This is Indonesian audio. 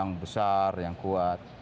yang besar yang kuat